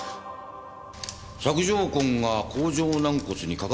索条痕が甲状軟骨に掛かっていないか。